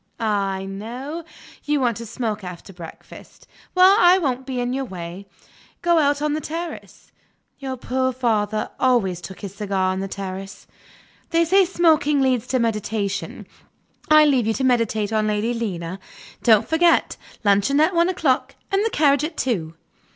Ah, I know! You want to smoke after breakfast. Well, I won't be in your way. Go out on the terrace; your poor father always took his cigar on the terrace. They say smoking leads to meditation; I leave you to meditate on Lady Lena. Don't forget luncheon at one o'clock, and the carriage at two."